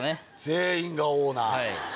全員がオーナー。